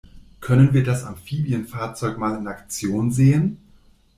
Können wir das Amphibienfahrzeug mal in Aktion sehen?